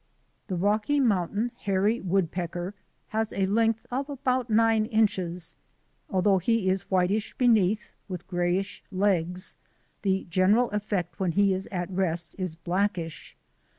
The Rocky Mountain hairy woodpecker has a length of about nine inches. Although he is whitish beneath, with grayish legs, the general effect when he is at rest is blackish.